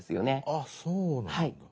あっそうなんだ。